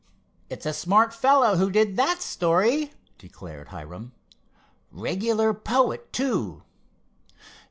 "It's a smart fellow who did that story," declared Hiram. "Regular poet, too.